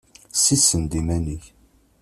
Sissen-d iman-ik!